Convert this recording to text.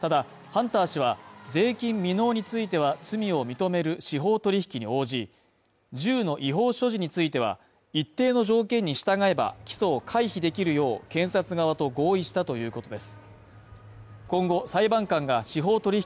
ただ、ハンター氏は、税金未納については罪を認める司法取引に応じ、銃の違法所持については、一定の条件に従えば、起訴を回避できるよう、検察側と合意したということです。